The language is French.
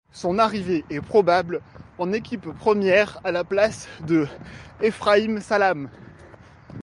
Son arrivée est probable en équipe première à la place de Ephraim Salaam.